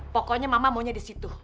pokoknya mama maunya di situ